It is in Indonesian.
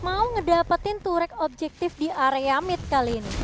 mau mendapatkan turek objektif di area mid kali ini